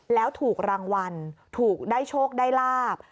แล้วถูกรางวัลถูกได้โชคได้ลาบ